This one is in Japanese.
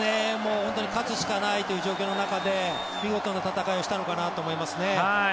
勝つしかないという状況の中で見事な戦いをしたのかなと思いますね。